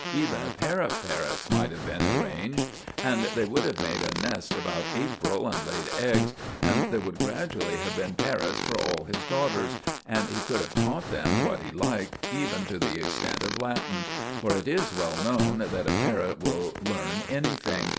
"Even a pair of parrots might have been arranged; and they would have made a nest about April, and laid eggs, and there would gradually have been parrots for all his daughters; and he could have taught them what he liked, even to the extent of Latin; for it is well known that a parrot will learn anything.